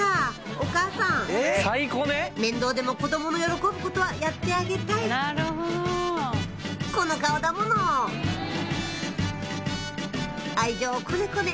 お母さん面倒でも子供の喜ぶことはやってあげたいこの顔だもの愛情こねこね！